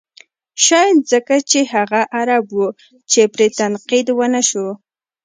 شاید ځکه چې هغه عرب و چې پرې تنقید و نه شو.